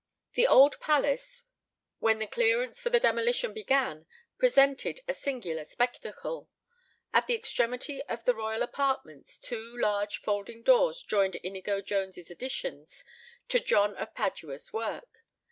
The old palace, when the clearance for the demolition began, presented a singular spectacle. At the extremity of the royal apartments two large folding doors joined Inigo Jones's additions to John of Padua's work.